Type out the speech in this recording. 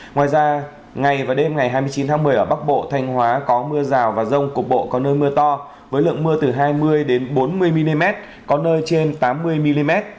ngoài ra ngày và đêm ngày hai mươi chín tháng một mươi ở bắc bộ thanh hóa có mưa rào và rông cục bộ có nơi mưa to với lượng mưa từ hai mươi bốn mươi mm có nơi trên tám mươi mm